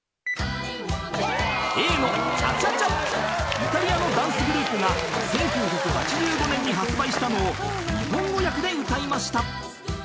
［イタリアのダンスグループが１９８５年に発売したのを日本語訳で歌いました］